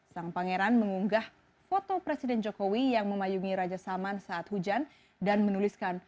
sang pangeran mengunggah foto presiden jokowi yang memayungi raja salman saat hujan dan menuliskan